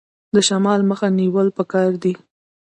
د شمال مخه نیول پکار دي؟